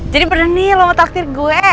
jadi bener nih lo mau traktir gue